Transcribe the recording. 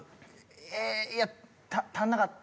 ええいや足らなかった。